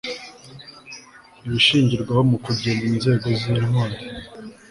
ibishingirwaho mu kugena inzego z'intwari